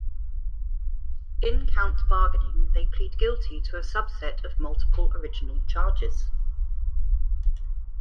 In count bargaining, they plead guilty to a subset of multiple original charges.